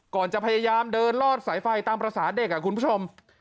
จะพยายามเดินลอดสายไฟตามภาษาเด็กคุณผู้ชม